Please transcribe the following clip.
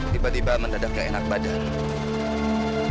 tiba tiba mendadak gak enak badan